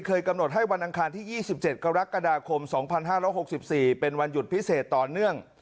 กำหนดให้วันอังคารที่๒๗กรกฎาคม๒๕๖๔เป็นวันหยุดพิเศษต่อเนื่อง